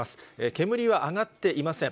煙は上がっていません。